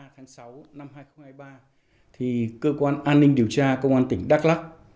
hai mươi ba tháng sáu năm hai nghìn hai mươi ba cơ quan an ninh điều tra công an tỉnh đắk lắc